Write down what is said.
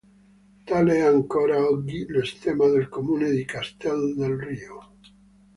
Tale è ancora oggi lo stemma del comune di Castel del Rio.